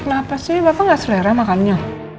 kenapa sih bapak nggak selera makannya